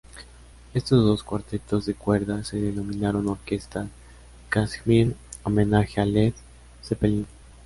Estos dos cuartetos de cuerdas se denominaron Orquesta Kashmir ―homenaje a Led Zeppelin―.